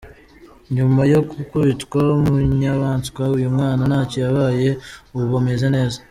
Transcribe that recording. Nyuma yo gukubitwa bunyamaswa uyu mwana ntacyo yabaye ubu ameze neza.